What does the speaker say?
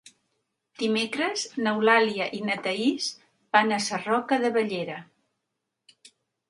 Dimecres n'Eulàlia i na Thaís van a Sarroca de Bellera.